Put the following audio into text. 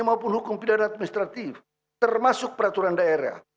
maupun hukum pidana administratif termasuk peraturan daerah